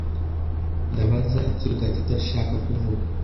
Ndabaza icyo Gatete ashaka kuvuga.